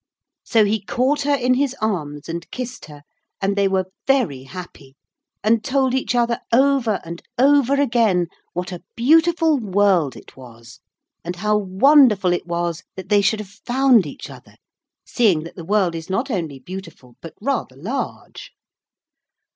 So he caught her in his arms and kissed her, and they were very happy, and told each other over and over again what a beautiful world it was, and how wonderful it was that they should have found each other, seeing that the world is not only beautiful but rather large.